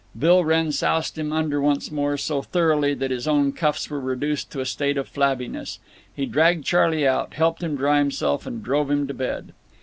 Bill Wrenn soused him under once more, so thoroughly that his own cuffs were reduced to a state of flabbiness. He dragged Charley out, helped him dry himself, and drove him to bed.